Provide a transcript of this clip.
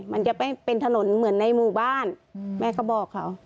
มันจะไม่เป็นถนนเหมือนในหมู่บ้านแม่ก็บอกเขา